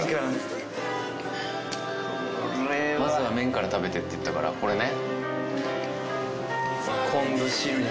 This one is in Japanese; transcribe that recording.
まずは麺から食べてっていったからこれね。